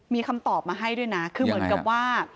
มีคำตอบมาให้ด้วยนะคือเหมือนกับว่า